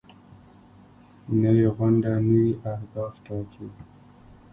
نوې غونډه نوي اهداف ټاکي